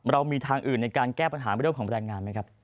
เรามีทางอื่นในการแก้ปัญหาเรื่องของแรงงานไหมครับ